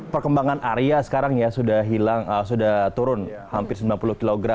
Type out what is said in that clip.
perkembangan arya sekarang ya sudah hilang sudah turun hampir sembilan puluh kg